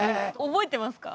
覚えてますか？